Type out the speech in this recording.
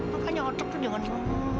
maka nyotok tuh dengan lo